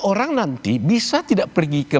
orang nanti bisa tidak pergi ke